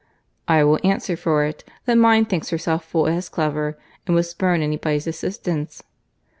"I will answer for it, that mine thinks herself full as clever, and would spurn any body's assistance."